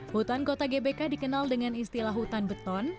hutan kota gbk dikenal dengan istilah hutan beton